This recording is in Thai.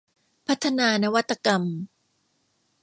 พัฒนานวัตกรรม